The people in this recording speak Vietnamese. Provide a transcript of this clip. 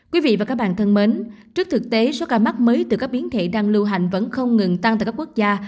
quý vị và các bạn thân mến trước thực tế số ca mắc mới từ các biến thể đang lưu hành vẫn không ngừng tăng tại các quốc gia